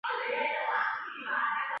二战后改为云林县虎尾镇。